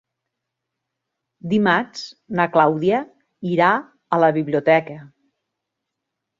Dimarts na Clàudia irà a la biblioteca.